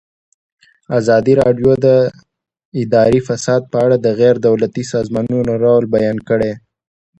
ازادي راډیو د اداري فساد په اړه د غیر دولتي سازمانونو رول بیان کړی.